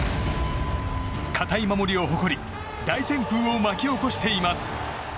堅い守りを誇り大旋風を巻き起こしています。